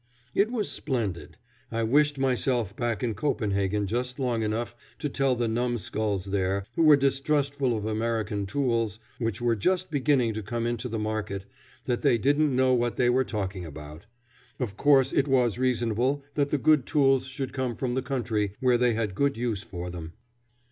It was splendid. I wished myself back in Copenhagen just long enough to tell the numskulls there, who were distrustful of American tools, which were just beginning to come into the market, that they didn't know what they were talking about. Of course it was reasonable that the good tools should come from the country where they had good use for them.